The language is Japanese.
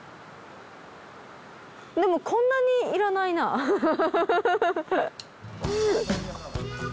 でもこんなにいらないなぁフフフフ。